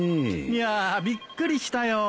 いやびっくりしたよ。